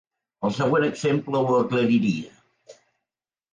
El següent exemple ho aclariria.